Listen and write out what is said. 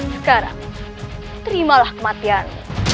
sekarang terimalah kematian